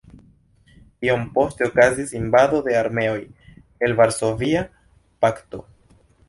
Iom poste okazis invado de armeoj el Varsovia Pakto.